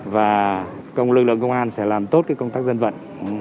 và công lực lượng công an sẽ làm tốt công tác dân vận